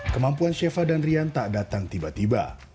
kemampuan shefa dan rian tak datang tiba tiba